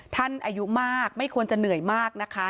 อายุมากไม่ควรจะเหนื่อยมากนะคะ